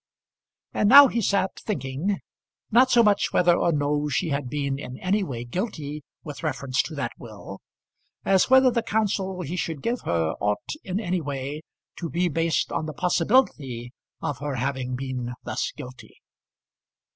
And now he sat, thinking, not so much whether or no she had been in any way guilty with reference to that will, as whether the counsel he should give her ought in any way to be based on the possibility of her having been thus guilty.